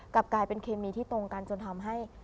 กลับกลายเป็นเคมีที่ตรงกันจนทำให้